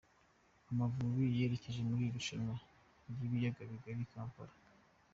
Amavubi yerekeje muri irushanywa ryibiyaga bigari i Kampala